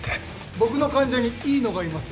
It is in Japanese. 僕の患者にいいのがいます。